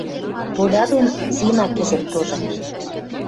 Толя дон Зина кӹзӹт тоже